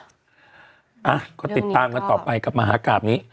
อ่ะก็ติดตามกันต่อไปกับมหากราบนี้